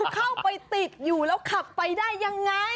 เข้าไปติดอยู่แล้วขับไปได้ยังไง